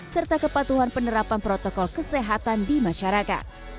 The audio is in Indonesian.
serta kepatuhan penerapan protokol kesehatan di masyarakat